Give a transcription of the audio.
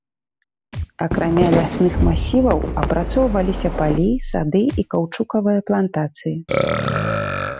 Акрамя лясных масіваў апрацоўваліся палі, сады і каўчукавыя плантацыі.